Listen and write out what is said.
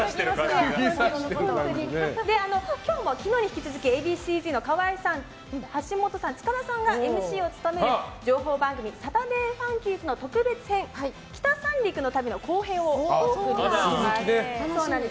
今日は昨日に引き続きＡ．Ｂ．Ｃ‐Ｚの河合さん橋本さん、塚田さんがＭＣを務める情報番組「サタデーファンキーズ」の特別編、北三陸の旅の後編をお送りします。